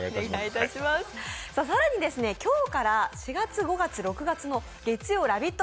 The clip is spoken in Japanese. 更に今日から４月、５月、６月の月曜「ラヴィット！」